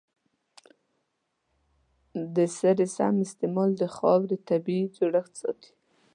د سرې سم استعمال د خاورې طبیعي جوړښت ساتي.